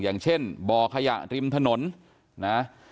อย่างเช่นบ่อขยะริมถนนนะ